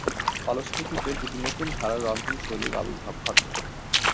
ফলশ্রুতিতে দুটি নতুন ধারার রন্ধনশৈলীর আবির্ভাব ঘটে।